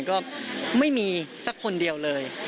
ก็ไม่มีสักคนเดียวเลย